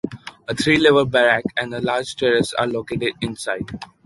A three level barrack and a large terrace are located inside.